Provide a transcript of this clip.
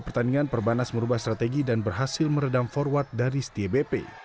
pertandingan perbanas merubah strategi dan berhasil meredam forward dari setia bp